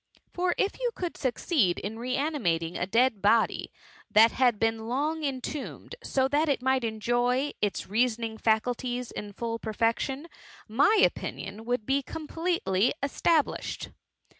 For if you could succeed in re animar tkskg a dead body that had been long entombed, so that it might enjoy its reasoning fscuHies in full perfection, my opinion would be ocani^tely estabUsbed.''